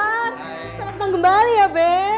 selamat datang kembali ya be